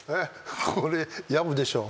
これ藪でしょう。